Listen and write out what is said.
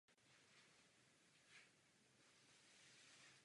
Je to riziko překladu a výkladu.